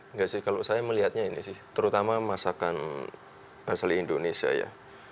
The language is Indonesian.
enggak sih kalau saya melihatnya ini sih terutama masakan asli indonesia ya